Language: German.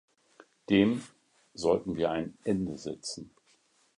Dem sollten wir ein Ende setzen.